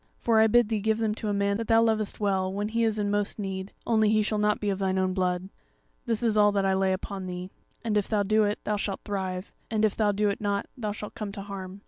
For I bid thee give them to a man that thou lovest that thou lovest well, when he is in most need; only he shall not be of thine own blood. This is all that I lay upon thee; and if thou do it, thou shalt thrive, and if thou do it not, thou shalt come to harm.